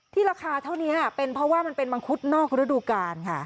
ราคาเท่านี้เป็นเพราะว่ามันเป็นมังคุดนอกฤดูกาลค่ะ